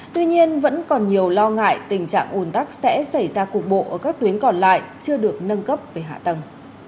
tuy nhiên vẫn còn nhiều lo ngại tình trạng ồn tắc sẽ xảy ra cục bộ ở các tuyến còn lại chưa được nâng cấp về hạ tầng